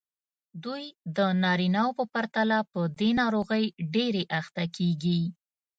دوی د نارینه وو په پرتله په دې ناروغۍ ډېرې اخته کېږي.